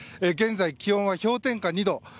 現在、気温は氷点下２度。